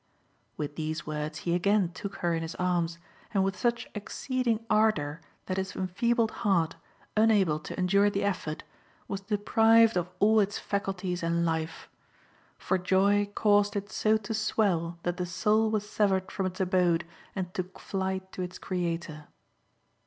With these words he again took her in his arms, and with such exceeding ardour that his enfeebled heart, unable to endure the effort, was deprived of all its faculties and life; for joy caused it so to swell that the soul was severed from its abode and took flight to its Creator.